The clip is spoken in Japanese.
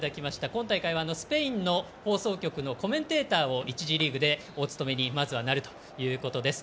今大会はスペインの放送局のコメンテーターを１次リーグでお務めになるということです。